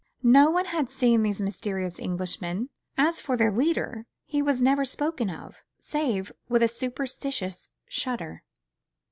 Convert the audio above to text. No one had seen these mysterious Englishmen; as for their leader, he was never spoken of, save with a superstitious shudder.